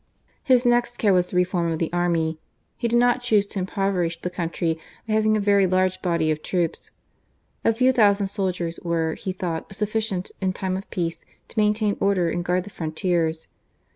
223 His next care was the reform of the army. He did not choose to impoverish the country by having a very large body of troops. A few thousand soldiers were, he thought, sufficient, in time of peace, to maintain order and guard the frontiers.